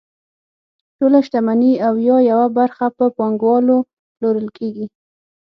ټوله شتمني او یا یوه برخه په پانګوالو پلورل کیږي.